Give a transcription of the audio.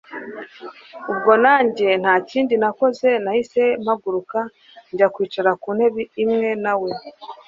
ubwo nanjye ntakindi nakoze nahise mpaguruka njye kwicara kuntebe imwe nawe